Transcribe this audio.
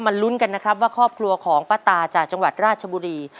ลุ้นกันนะครับว่าครอบครัวของป้าตาจากจังหวัดราชบุรี